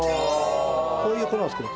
こういう粉を作るから。